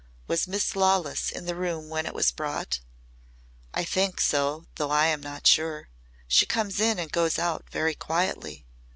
Was Miss Lawless in the room when it was brought?" "I think so though I am not sure. She comes in and goes out very quietly.